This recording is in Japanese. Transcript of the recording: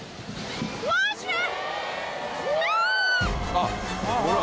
あっほら！